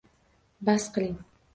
Bas qiling!